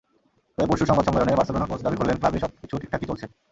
তবে পরশু সংবাদ সম্মেলনে বার্সেলোনা কোচ দাবি করলেন, ক্লাবে সবকিছু ঠিকঠাকই চলছে।